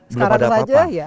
belum ada apa apa